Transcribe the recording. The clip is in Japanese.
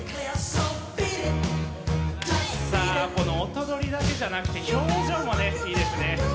さあこの音取りだけじゃなくて表情もねいいですね。